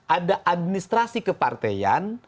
ada administrasi kepartean